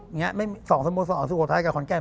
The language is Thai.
อย่างนี้ไม่มี๒สม๒๑๖ท้ายกับขอนแก่